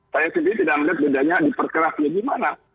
saya sendiri tidak melihat bedanya diperkerasnya gimana